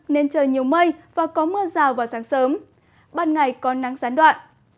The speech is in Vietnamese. nên trời nhiều mây và có mưa rào vào sáng sớm ban ngày có nắng gián đoạn